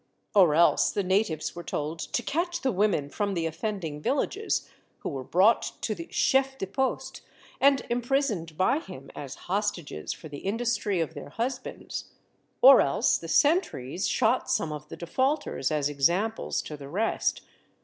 Or else the natives were told to catch the women from the offending villages, who were brought to the Chef de Poste and imprisoned by him as hostages for the industry of their husbands. Or else the sentries shot some of the defaulters as examples to the rest.